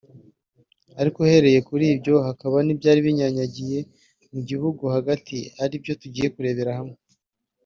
ariko uhereye kuri ibyo hakaba n’ibyari binyanyagiye mu gihugu hagati ari byo tugiye kurebera hamwe